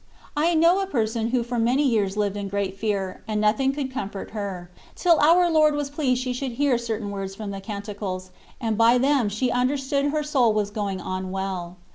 I know a person who for many years lived in great fear, and nothing could comfort her, till our Lord was pleased she should hear certain words from the Canticles, and by them she understood her soul was going on well.